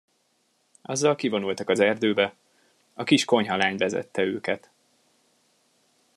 Azzal kivonultak az erdőbe, a kis konyhalány vezette őket.